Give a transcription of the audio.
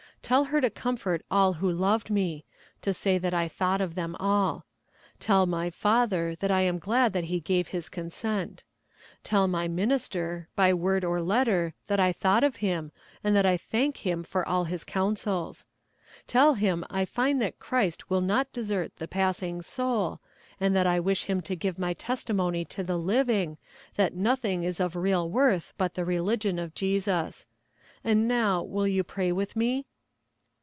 Tell her to comfort all who loved me; to say that I thought of them all. Tell my father that I am glad that he gave his consent. Tell my minister, by word or letter, that I thought of him, and that I thank him for all his counsels. Tell him I find that Christ will not desert the passing soul, and that I wish him to give my testimony to the living, that nothing is of real worth but the religion of Jesus; and now, will you pray with me?'